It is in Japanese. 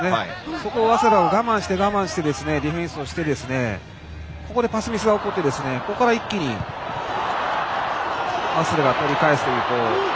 そこを早稲田が我慢してディフェンスをしてここでパスミスが起こって一気に早稲田が取り返すという。